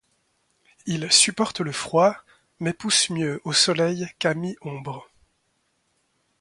Il supporte le froid, mais pousse mieux au soleil qu'à mi-ombre.